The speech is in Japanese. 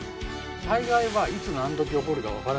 災害はいつ何時起こるかわからない。